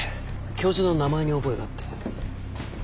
教授の名前に覚えがあって。